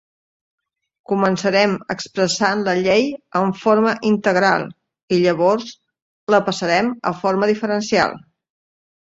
Començarem expressant la llei en forma integral, i llavors la passarem a forma diferencial.